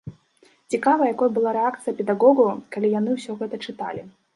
Цікава, якой была рэакцыя педагогаў, калі яны ўсё гэта чыталі?